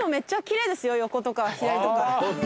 横とか左とか。